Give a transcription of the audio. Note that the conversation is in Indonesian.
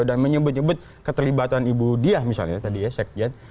dan menyebut nyebut keterlibatan ibu dia misalnya tadi ya sekjen